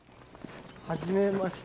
はじめまして。